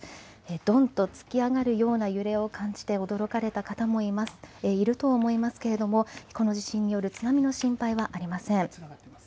どんと突き上がるような揺れを感じて驚かれた方もいると思いますけれどもこの地震による津波の心配はありません。